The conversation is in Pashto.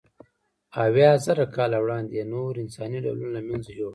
اویازره کاله وړاندې یې نور انساني ډولونه له منځه یووړل.